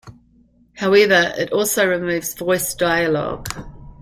However, it also removes voice dialogue.